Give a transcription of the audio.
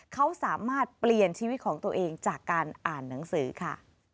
เขาสามารถเปลี่ยนชีวิตของตัวเองจากการอ่านหนังสือค่ะ